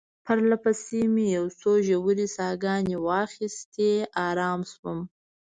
پرله پسې مې یو څو ژورې ساه ګانې واخیستې، آرام شوم.